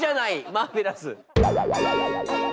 マーベラス。